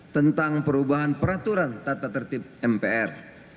tentang perubahan peraturan tata tertib mpr